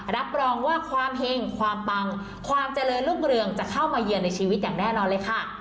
รับรองว่าความเห็งความปังความเจริญรุ่งเรืองจะเข้ามาเยือนในชีวิตอย่างแน่นอนเลยค่ะ